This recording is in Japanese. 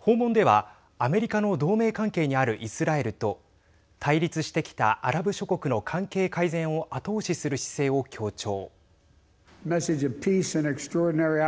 訪問では、アメリカの同盟関係にあるイスラエルと対立してきたアラブ諸国の関係改善を後押しする姿勢を強調。